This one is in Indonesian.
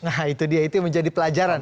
nah itu dia itu yang menjadi pelajaran